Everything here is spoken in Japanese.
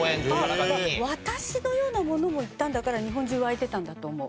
私のような者も行ったんだから日本中沸いてたんだと思う。